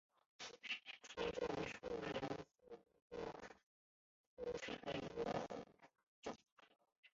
川滇槲蕨为槲蕨科槲蕨属下的一个种。